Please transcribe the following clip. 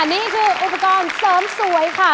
นี่คืออุปกรณ์เสริมสวยค่ะ